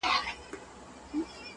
د ژوند له ټاله به لوېدلی یمه؛